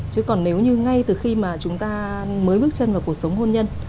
chứ còn nếu như ngay từ khi mà chúng ta mới bước chân vào cuộc sống hôn nhân